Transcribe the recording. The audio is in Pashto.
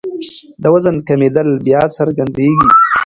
د وزن کمېدل بیا څرګندېږي.